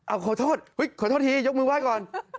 เอาขอโทษขอโทษทียกมือไหว้ก่อน